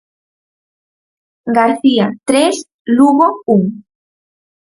García, tres, Lugo, un.